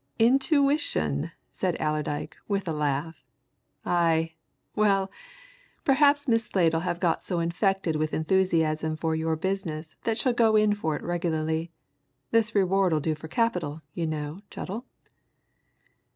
"Intuition," said Allerdyke, with a laugh. "Aye, well perhaps Miss Slade'll have got so infected with enthusiasm for your business that She'll go in for it regularly. This reward'll do for capital, you know, Chettle."